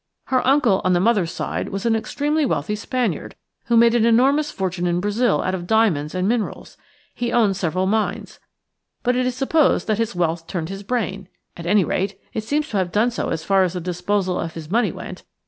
Her uncle on the mother's side was an extremely wealthy Spaniard, who made an enormous fortune in Brazil out of diamonds and minerals; he owned several mines. But it is supposed that his wealth turned his brain. At any rate, it seems to have done so as far as the disposal of his money went.